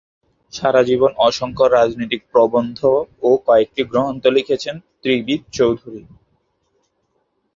সারাজীবন অসংখ্য রাজনৈতিক প্রবন্ধ ও কয়েকটি গ্রন্থ লিখেছেন ত্রিদিব চৌধুরী।